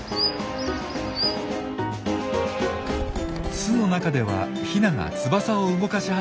巣の中ではヒナが翼を動かし始めました。